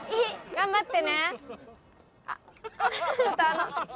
頑張って！